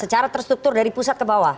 secara terstruktur dari pusat ke bawah